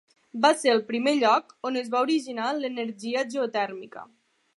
Va ser el primer lloc on es va originar l'energia geotèrmica.